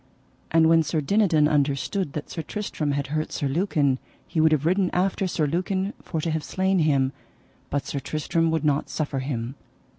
And when Sir Dinadan understood that Sir Tristram had hurt Sir Lucan he would have ridden after Sir Lucan for to have slain him, but Sir Tristram would not suffer him.